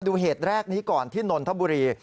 เหตุแรกนี้ก่อนที่นนทบุรี